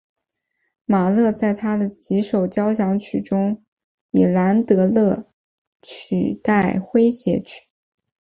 马勒在他的几首交响曲中以兰德勒取代诙谐曲。